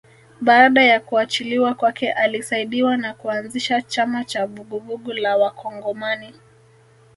Baada ya kuachiliwa kwake alisaidiwa na kuanzisha chama cha Vuguvugu la Wakongomani